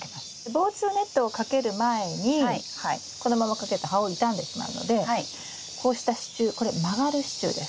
防虫ネットをかける前にこのままかけると葉を傷んでしまうのでこうした支柱これ曲がる支柱です。